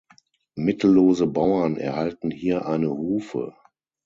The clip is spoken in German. Mittellose Bauern erhalten hier eine Hufe.